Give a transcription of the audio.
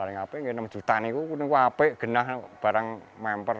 paling hape itu rp enam juta ini hape hanya barang memper